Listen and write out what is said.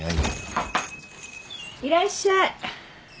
いらっしゃい